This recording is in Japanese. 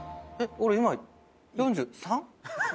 俺今４３？